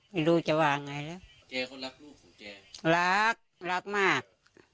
ไม่รู้จะว่าไงแล้วแกก็รักลูกของแกรักรักมาก